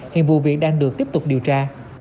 hiện vụ việc đang được tiếp tục điều tra